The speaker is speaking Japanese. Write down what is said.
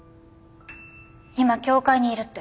今教会にいるって。